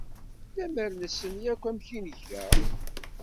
Lemmer nessen yakk amek i nga.